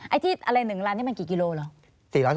ไอ้ที่อะไร๑รันมันกี่กิโลหรอ